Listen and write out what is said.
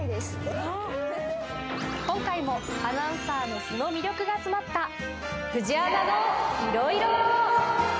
今回も、アナウンサーの素の魅力が詰まった「フジアナのいろイロ」。